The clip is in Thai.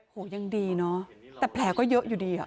โหยังดีเนอะแต่แผลก็เยอะอยู่ดีอ่ะ